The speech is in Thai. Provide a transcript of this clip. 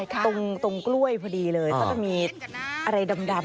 ตรงกล้วยพอดีเลยเขาจะมีอะไรดำ